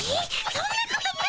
そんなことな